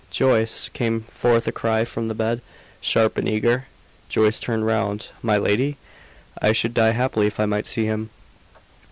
"Joyce!" came forth a cry from the bed, sharp and eager. Joyce turned round. "My lady?" "I should die happily if I might see him."